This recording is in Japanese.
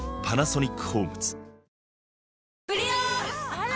あら！